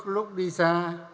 trước lúc đi xa